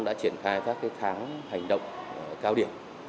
đã triển khai các tháng hành động cao điểm